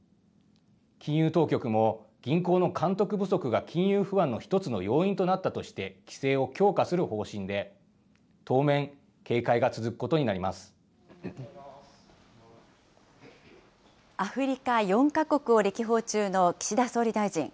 金融当局も、銀行の監督不足が金融不安の一つの要因となったとして、規制を強化する方針で、当面、アフリカ４か国を歴訪中の岸田総理大臣。